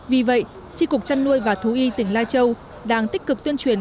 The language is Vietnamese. vì vậy tri cục trăn nuôi và thú y tỉnh lai châu đang tích cực tuyên truyền